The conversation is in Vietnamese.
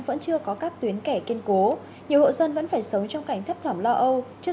vẫn chưa có các tuyến kẻ kiên cố nhiều hộ dân vẫn phải sống trong cảnh thấp thỏm lo âu trước